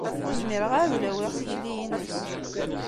Ur zmireɣ ara ad lawiɣ tikli-ines.